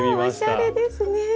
おしゃれですね！